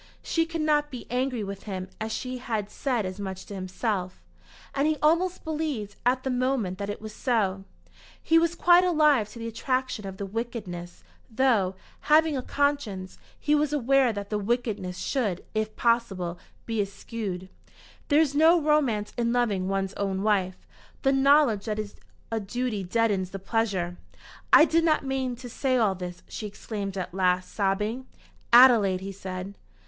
She could not be angry with him as she had said as much to himself. And he almost believed at the moment that it was so. He was quite alive to the attraction of the wickedness, though, having a conscience, he was aware that the wickedness should, if possible, be eschewed. There is no romance in loving one's own wife. The knowledge that it is a duty deadens the pleasure. "I did not mean to say all this," she exclaimed at last, sobbing. "Adelaide!" he said.